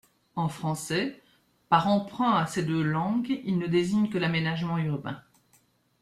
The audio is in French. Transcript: En français, par emprunt à ces deux langues, il ne désigne que l'aménagement urbain.